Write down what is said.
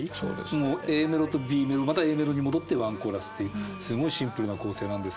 もうＡメロとＢメロまたＡメロに戻ってワンコーラスっていうすごいシンプルな構成なんですけれど。